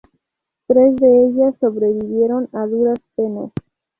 Tres de ellas sobrevivieron a duras penas.